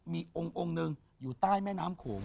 มีองค์หนึ่งอยู่ใต้แม่น้ำโขง